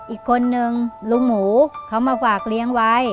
อีกคนนึงลุงหมูเขามาฝากเลี้ยงไว้